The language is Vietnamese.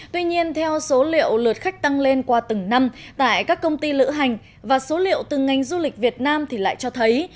tuy nhiên theo số liệu lượt khách tăng lên qua từng năm tại các công ty lữ hành và số liệu từng ngành du lịch việt nam thì lại cho thấy